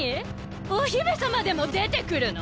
お姫様でも出てくるの？